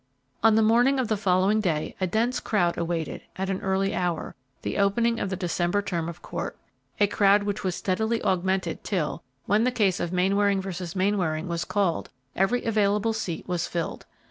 On the morning of the following day a dense crowd awaited, at an early hour, the opening of the December term of court; a crowd which was steadily augmented till, when the case of Mainwaring versus Mainwaring was called, every available seat was filled.